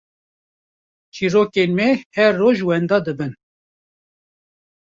çîrokên me her roj wenda dibin.